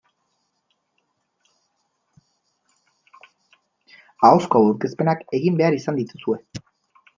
Ahozko aurkezpenak egin behar izan dituzue.